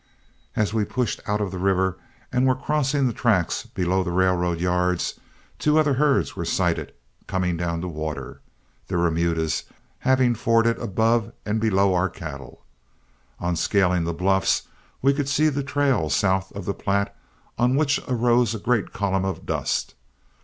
As we pushed out of the river and were crossing the tracks below the railroad yards, two other herds were sighted coming down to the water, their remudas having forded above and below our cattle. On scaling the bluffs, we could see the trail south of the Platte on which arose a great column of dust.